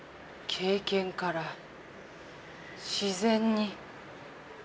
経験から自然に。